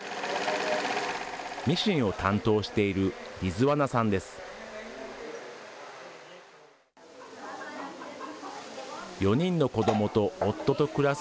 ミシンを担当している、リズワナさんです。